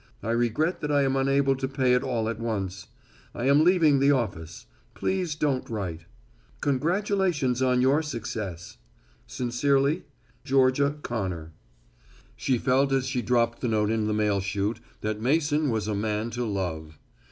I regret that I am unable to pay it all at once. I am leaving the office. Please don't write._ Congratulations on your success. Sincerely, Georgia Connor. She felt as she dropped the note in the mail chute that Mason was a man to love.